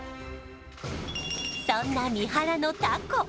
そんな三原のタコ